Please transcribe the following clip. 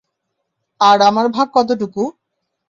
আর আমার ভাগ কতটুকু?